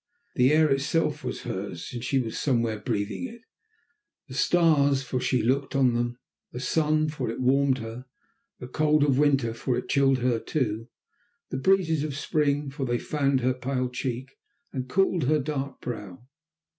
The air itself was hers, since she was somewhere breathing it; the stars, for she looked on them; the sun, for it warmed her; the cold of winter, for it chilled her too; the breezes of spring, for they fanned her pale cheek and cooled her dark brow.